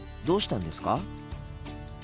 どうしたんですか？